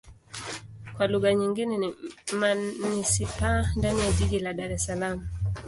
Kwa lugha nyingine ni manisipaa ndani ya jiji la Dar Es Salaam.